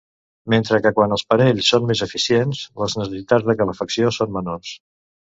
Mentre que quan els panells són més eficients, les necessitats de calefacció són menors.